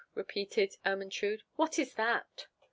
repeated Ermentrude; "what is that?"